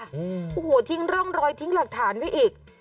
โอ้โหทิ้งร่องรอยทิ้งหลักฐานไว้อีก